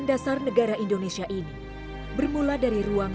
dan aku telah berkata